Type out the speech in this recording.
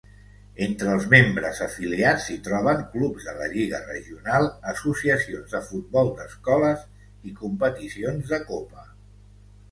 Entre els membres afiliats s'hi troben clubs de la Lliga Regional, associacions de futbol d'escoles i competicions de copa.